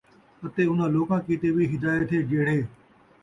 اَتے اُنھاں لوکاں کِیتے وی ہدایت ہے جِہڑے